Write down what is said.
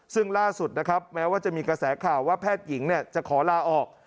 ซึ่งล่าสุดนะครับแม้ว่าจะมีกระแสข่าวว่าแพทย์หญิงจะขอลาออก